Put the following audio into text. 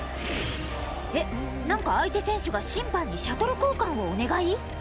えっ、なんか、相手選手が審判にシャトル交換をお願い？